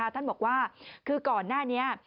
ท่านบอกว่าคือก่อนหน้านี้